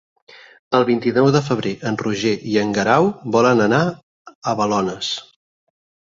El vint-i-nou de febrer en Roger i en Guerau volen anar a Balones.